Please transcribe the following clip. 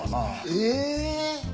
え。